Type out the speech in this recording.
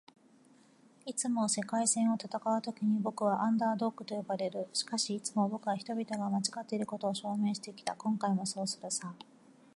「いつも“世界戦”を戦うときに僕は『アンダードッグ』と呼ばれる。しかし、いつも僕は人々が間違っていることを証明してきた。今回もそうするさ」